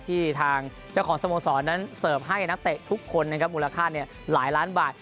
ที่ทางเจ้าของสโมสรนั้นเสิร์ฟให้นักเตะทุกคนนะครับมูลค่าหลายล้านบาท